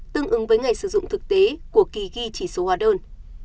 tương ứng với ngày sử dụng thực tế của kỳ ghi chỉ số hóa đơn